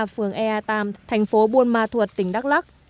phường ea tam thành phố buôn ma thuột tỉnh đắk lắc